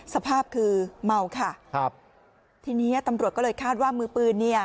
สภาพคือเมาค่ะครับทีนี้ตำรวจก็เลยคาดว่ามือปืนเนี่ย